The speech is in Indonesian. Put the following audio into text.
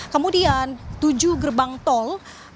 kemudian tujuh gerbang tol